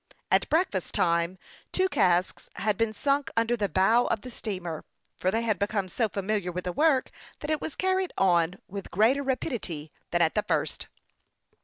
At breakfast time two casks had been sunk under the bow of the steamer, for they had become so familiar with the work, that it was carried on with greater rapidity than at the first.